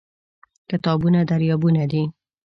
کتابونه دریابونه دي.